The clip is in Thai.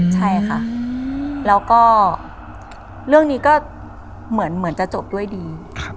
ใช่ค่ะแล้วก็เรื่องนี้ก็เหมือนจะจบด้วยดี